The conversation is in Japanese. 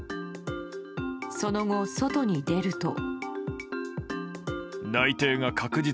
その後、外に出ると。